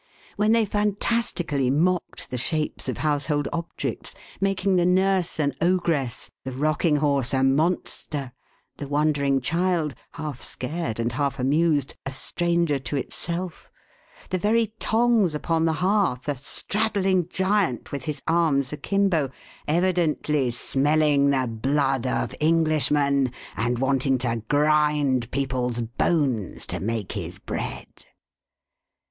When they fantastically mocked the shapes of household objects, making the nurse an ogress, the rocking horse a monster, the wonder ing child half scared and half amused, a stranger to itself, — the very tongs upon the hearth, a straddling giant with his arms a kimbo, evidently smelling the blood of Englishmen, and wanting to grind people's bones to make his bread.